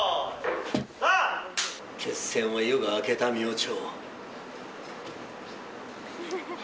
決戦は夜が明けた明朝。